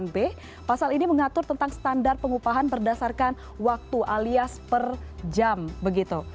b pasal ini mengatur tentang standar pengupahan berdasarkan waktu alias per jam begitu